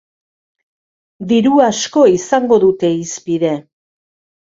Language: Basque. Diru asko izango dute hizpide.